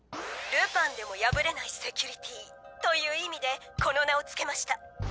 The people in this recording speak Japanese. ルパンでも破れないセキュリティーという意味でこの名を付けました。